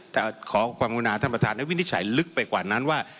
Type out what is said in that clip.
แต่ขอความกรุณาท่านประธานได้วินิจฉัยลึกไปกว่านั้นว่า